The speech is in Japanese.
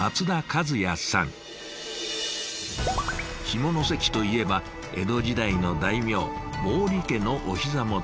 下関といえば江戸時代の大名毛利家のおひざ元。